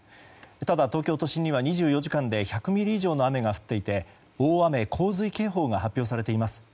ただ、東京都心には２４時間で１００ミリ以上の雨が降っていて大雨・洪水警報が発表されています。